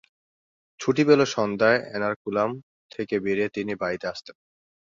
ছুটি পেলে সন্ধ্যায় এর্নাকুলাম থেকে বেরিয়ে তিনি বাড়ি আসতেন।